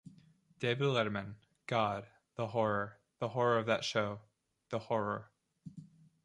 David Letterman, God, the horror ... the horror of that show ... the horror.